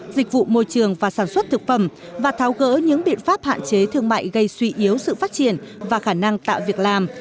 dịch vụ môi trường và sản xuất thực phẩm và tháo gỡ những biện pháp hạn chế thương mại gây suy yếu sự phát triển và khả năng tạo việc làm